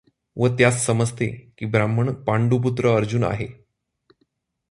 व त्यास समजते की ब्राह्मण पांडुपुत्र अर्जुन आहे.